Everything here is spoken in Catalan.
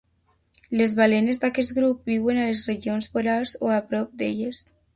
Les balenes d'aquest grup viuen a les regions polars o a prop d'elles.